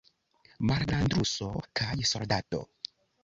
Malgrandruso kaj soldato.